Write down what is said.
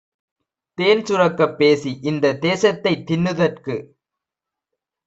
தேன்சுரக்கப் பேசிஇந்த தேசத்தைத் தின்னுதற்கு